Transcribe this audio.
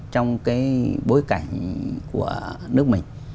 trong cái bối cảnh của nước mình